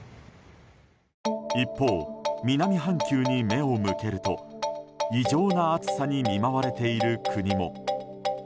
一方、南半球に目を向けると異常な暑さに見舞われている国も。